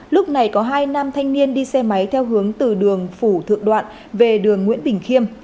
lúc này có hai nam thanh niên đi xe máy theo hướng từ đường phủ thượng đoạn về đường nguyễn bình khiêm